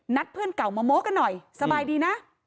เพื่อนเก่ามาโม้กันหน่อยสบายดีนะ